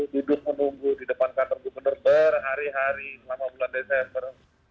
duduk menunggu di depan kantor gubernur berhari hari selama bulan desember